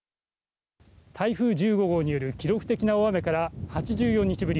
台風１５号による記録的な大雨から８４日ぶり。